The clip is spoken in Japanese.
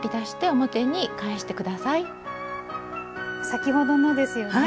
先ほどのですよね。